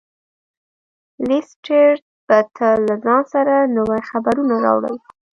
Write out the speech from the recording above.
لیسټرډ به تل له ځان سره نوي خبرونه راوړل.